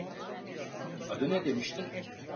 Adı ne demiştin?